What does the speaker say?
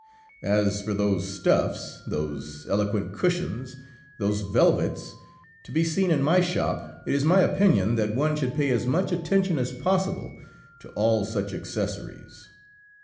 As for those stuffs, those eloquent cushions, those velvets, to be seen in my shop, it is my opinion that one should pay as much attention as possible to all such accessories.